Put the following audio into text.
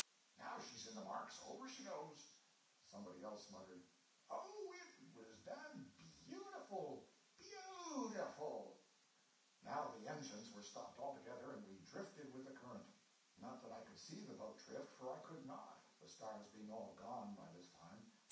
'Now she's in the marks; over she goes!' Somebody else muttered 'Oh, it was done beautiful beautiful!' Now the engines were stopped altogether, and we drifted with the current. Not that I could see the boat drift, for I could not, the stars being all gone by this time.